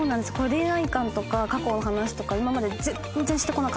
恋愛観とか過去の話とか今まで全然してこなかったので。